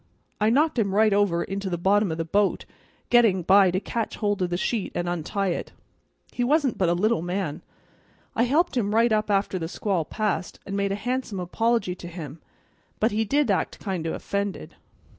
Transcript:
I knocked him right over into the bottom o' the bo't, getting by to catch hold of the sheet an' untie it. He wasn't but a little man; I helped him right up after the squall passed, and made a handsome apology to him, but he did act kind o' offended."